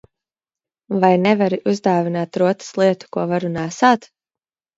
Vai nevari uzdāvināt rotaslietu, ko varu nēsāt?